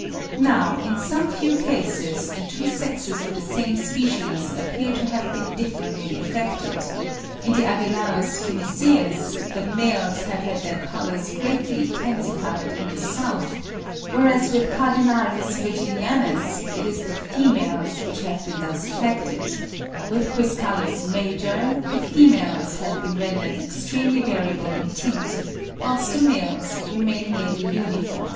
Now, in some few cases, the two sexes of the same species appear to have been differently affected; in the Agelaeus phoeniceus the males have had their colours greatly intensified in the south; whereas with Cardinalis virginianus it is the females which have been thus affected; with Quiscalus major the females have been rendered extremely variable in tint, whilst the males remain nearly uniform.